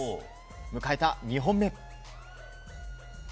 迎えた２本目。